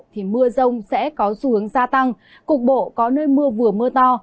thì mưa rông sẽ có xu hướng gia tăng cục bộ có nơi mưa vừa mưa to